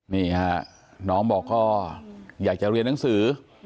นี่ฮะน้องบอกก็อยากจะเรียนหนังสือ